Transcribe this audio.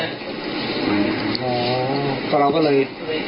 ก็เราก็เลยไปทำร้ายเขาก่อน